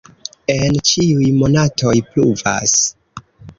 En ĉiuj monatoj pluvas.